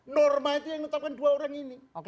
norma itu yang menetapkan dua orang ini